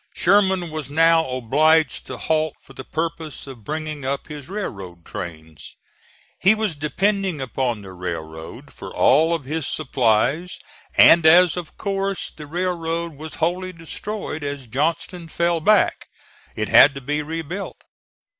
Sherman was now obliged to halt for the purpose of bringing up his railroad trains. He was depending upon the railroad for all of his supplies, and as of course the railroad was wholly destroyed as Johnston fell back, it had to be rebuilt.